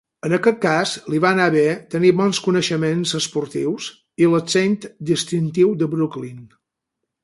En aquest cas li va anar bé tenir bons coneixements esportius i l'accent distintiu de Brooklyn.